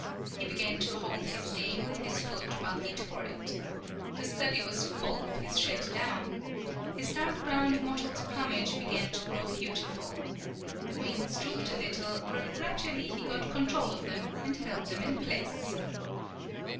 He began to hold his game with his foot while he tore it. The study was full of his shed down. His dark brown mottled plumage began to grow beautiful. The wings drooped a little, but gradually he got control of them, and held them in place.